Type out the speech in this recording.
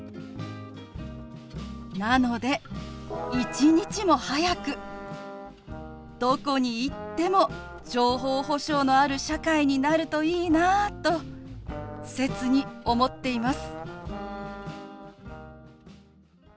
なので一日も早くどこに行っても情報保障のある社会になるといいなあと切に思っています。